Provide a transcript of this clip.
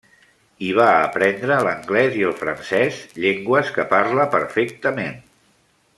Hi va aprendre l'anglès i el francès, llengües que parla perfectament.